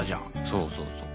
そうそうそう。